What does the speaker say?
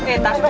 eh tas gua tuh